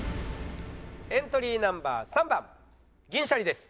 エントリーナンバー３番銀シャリです。